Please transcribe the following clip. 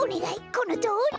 このとおり！